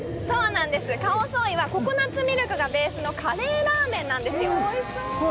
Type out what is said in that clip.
カオソーイはココナッツミルクがベースのカレーラーメンなんです。